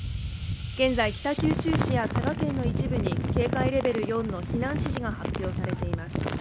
現在、北九州市や佐賀県の一部で、警戒レベル４の避難指示が発表されています。